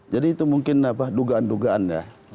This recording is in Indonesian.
jadi itu mungkin dugaan dugaan ya